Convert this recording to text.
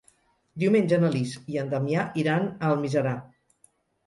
Diumenge na Lis i en Damià iran a Almiserà.